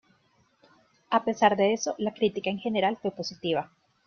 A pesar de eso, la crítica en general fue positiva.